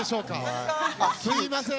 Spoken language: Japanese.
すいません。